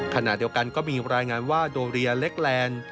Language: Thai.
ขณะเดียวกันก็มีรายงานว่าโดเรียเล็กแลนด์